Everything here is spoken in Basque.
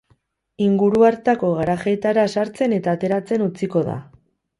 Inguru hartako garajeetara sartzen eta ateratzen utziko da.